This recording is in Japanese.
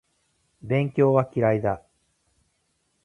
勉強は嫌いだ